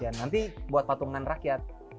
nanti buat patungan rakyat